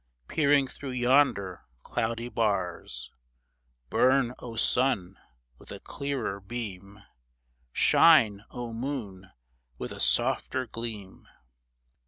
Peering through yonder cloudy bars ! Burn, O Sun, with a clearer beam ! Shine, O Moon, with a softer gleam